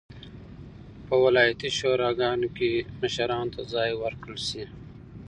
په ولایتي شوراګانو کې مشرانو ته ځای ورکړل شي.